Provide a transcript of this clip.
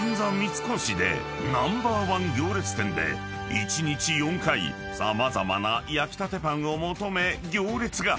［一日４回様々な焼きたてパンを求め行列が］